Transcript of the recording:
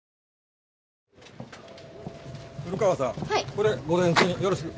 これ午前中によろしく。